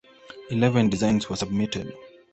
Eleven designs were submitted.